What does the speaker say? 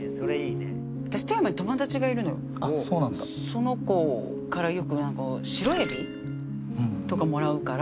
その子からよく白エビとかもらうから。